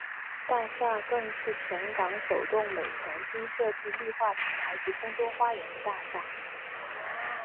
大厦更是全港首幢每层均设置绿化平台及空中花园的商业大厦。